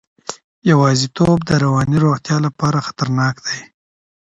یوازیتوب د رواني روغتیا لپاره خطرناک دی.